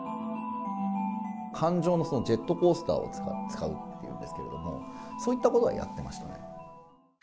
感情のジェットコースターを使うっていうんですけれども、そういったことはやっていましたね。